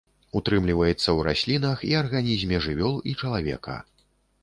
Утрымліваецца ў раслінах і арганізме жывёл і чалавека.